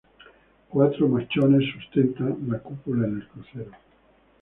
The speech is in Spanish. Cuatro machones sustentan la cúpula en el crucero.